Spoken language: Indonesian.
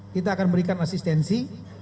kita akan memberikan asistensi